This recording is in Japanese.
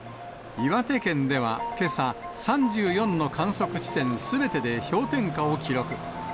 岩手県ではけさ、３４の観測地点すべてで氷点下を記録。